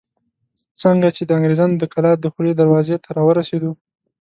څنګه چې د انګرېزانو د کلا دخولي دروازې ته راورسېدو.